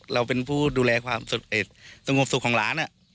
เราเป็นผู้ดูแลสงบสุขของร้านอ่ะ